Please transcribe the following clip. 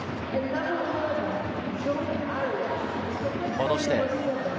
戻して。